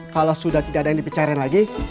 kalau sudah tidak ada yang dipercayain lagi ya pak